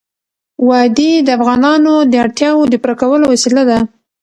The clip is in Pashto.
وادي د افغانانو د اړتیاوو د پوره کولو وسیله ده.